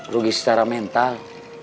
rugi secara mental